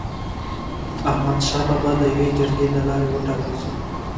احمد شاه بابا د يوي جرګي د لاري و ټاکل سو.